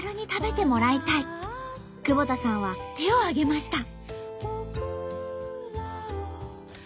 久保田さんは手を挙げました。